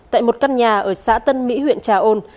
tại một căn nhà ở xã tân mỹ huyện trà ôn